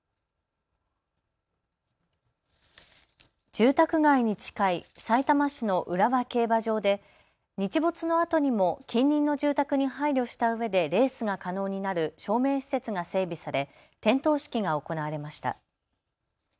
住宅街に近いさいたま市の浦和競馬場で日没のあとにも近隣の住宅に配慮したうえでレースが可能になる照明施設が整備され点灯式が行われました。